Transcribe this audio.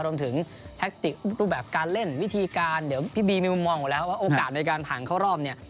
แท็กติกรูปแบบการเล่นวิธีการเดี๋ยวพี่บีมิวมองหมดแล้วว่าโอกาสในการผ่านเข้ารอบเนี่ย